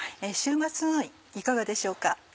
週末にいかがでしょうか。